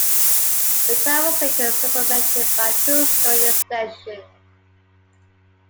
The tower was later supplemented by a two-storey extension.